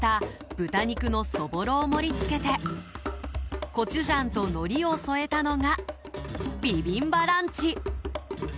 豚肉のそぼろを盛り付けてコチュジャンとのりを添えたのがビビンバランチ。